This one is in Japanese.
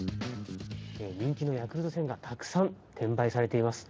人気のヤクルト１０００がたくさん転売されています。